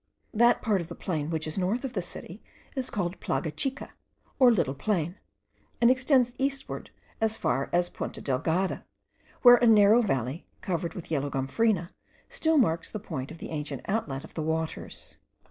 That part of the plain which is north of the city, is called Plaga Chica, or the Little Plain, and extends eastwards as far as Punta Delgada, where a narrow valley, covered with yellow gomphrena, still marks the point of the ancient outlet of the waters.